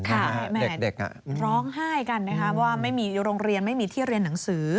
แม่เด็กร้องไห้กันนะคะว่าไม่มีโรงเรียนไม่มีที่เรียนหนังสือ